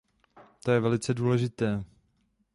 To je velice důležité.